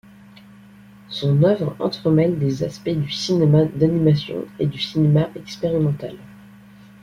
Son œuvre entremêle des aspects du cinéma d'animation et du cinéma expérimental.